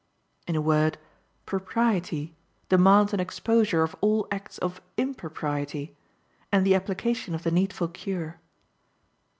In a word, propriety demands an exposure of all acts of impropriety, and the application of the needful cure.